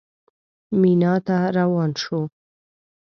مینا ته روان شوو.